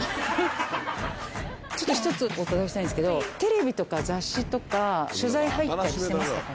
ちょっと１つお伺いしたいんですけどテレビとか雑誌とか取材入ったりしてますか？